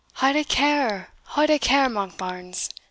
"Haud a care, haud a care, Monkbarns!"